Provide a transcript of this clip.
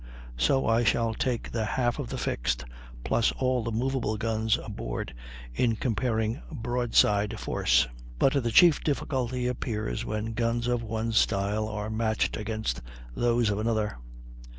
So I shall take the half of the fixed, plus all the movable guns aboard, in comparing broadside force. But the chief difficulty appears when guns of one style are matched against those of another.